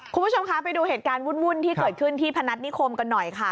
คุณผู้ชมคะไปดูเหตุการณ์วุ่นที่เกิดขึ้นที่พนัฐนิคมกันหน่อยค่ะ